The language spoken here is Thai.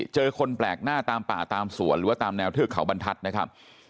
คนแปลกหน้าตามป่าตามสวนหรือว่าตามแนวเทือกเขาบรรทัศน์นะครับ